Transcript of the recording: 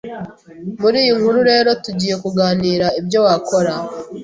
Muri iyi nkuru rero tugiye kuganira ibyo wakora